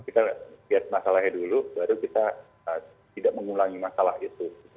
kita lihat masalahnya dulu baru kita tidak mengulangi masalah itu